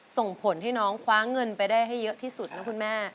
ส่งผลให้น้องคว้าเงินไปได้ให้เยอะที่สุดนะคุณแม่